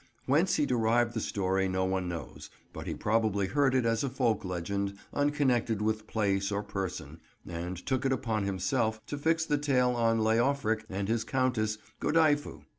Whence he derived the story no one knows, but he probably heard it as a folk legend unconnected with place or person, and took it upon himself to fix the tale on Leofric and his Countess Godifu.